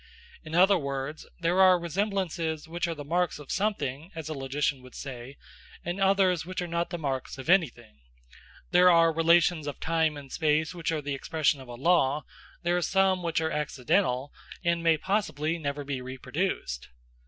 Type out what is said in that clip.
In other words, there are resemblances which are the marks of something, as a logician would say, and others which are not the marks of anything; there are relations of time and space which are the expression of a law; there are some which are accidental, and may possibly never be reproduced.